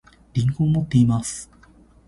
りんごを持っています